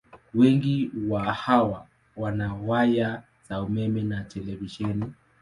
Wengi wa hawa wana waya za umeme na televisheni.